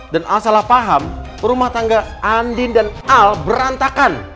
dan al salah paham rumah tangga andin dan al berantakan